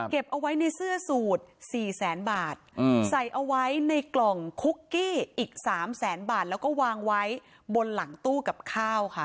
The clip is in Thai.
เอาไว้ในเสื้อสูตรสี่แสนบาทใส่เอาไว้ในกล่องคุกกี้อีกสามแสนบาทแล้วก็วางไว้บนหลังตู้กับข้าวค่ะ